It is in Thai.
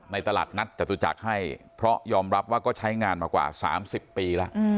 ตลาดนัดจตุจักรให้เพราะยอมรับว่าก็ใช้งานมากว่า๓๐ปีแล้ว